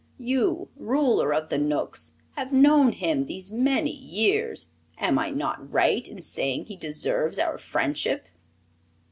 You, Ruler of the Knooks, have known him these many years; am I not right in saying he deserves our friendship?"